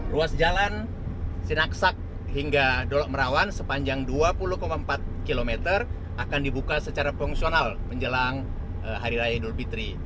ruas jalan sinaksak hingga dolok merawan sepanjang dua puluh empat km akan dibuka secara fungsional menjelang hari raya idul fitri